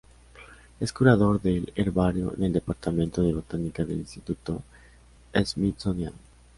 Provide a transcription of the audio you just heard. Es curador del herbario en el Departamento de Botánica del Instituto Smithsoniano.